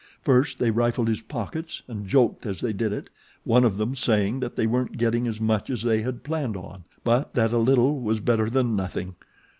First they rifled his pockets, and joked as they did it, one of them saying that they weren't getting as much as they had planned on; but that a little was better than nothing.